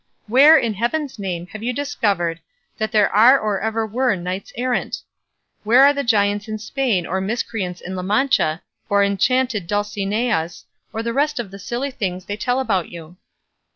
Where, in heaven's name, have you discovered that there are or ever were knights errant? Where are there giants in Spain or miscreants in La Mancha, or enchanted Dulcineas, or all the rest of the silly things they tell about you?"